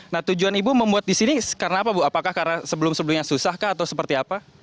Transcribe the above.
nah tujuan ibu membuat di sini karena apa bu apakah karena sebelum sebelumnya susah kah atau seperti apa